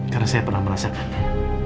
karena saya pernah merasakannya